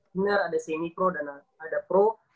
b gener ada semi pro dan ada pro